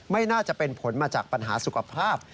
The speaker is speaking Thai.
ไม่น่าจะเป็นผลมาจากปัญหาสุขภาพ